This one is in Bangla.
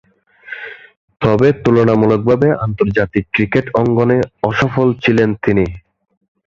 তবে, তুলনামূলকভাবে আন্তর্জাতিক ক্রিকেট অঙ্গনে অসফল ছিলেন তিনি।